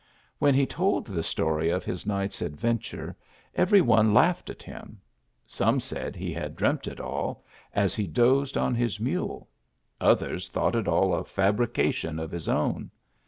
When he told the story of his night s adventure every one laughed at him : some said he had dreamt it all, as he dozed on his mule, others thought it ail a fabrication of his own.